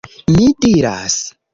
Mi diras..